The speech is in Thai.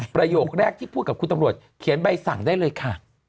ประโยคแรกที่พูดกับคุณตำรวจเขียนใบสั่งได้เลยค่ะ